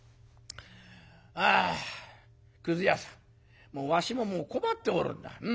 「ああくず屋さんわしももう困っておるんだ。